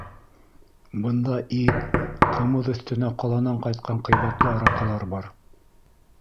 Бында ит, ҡымыҙ өҫтөнә ҡаланан ҡайтҡан ҡыйбатлы араҡылар бар.